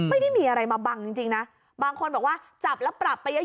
ไม่ได้มีอะไรมาบังจริงนะบางคนบอกว่าจับแล้วปรับไปเยอะ